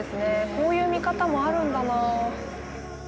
こういう見方もあるんだなあ。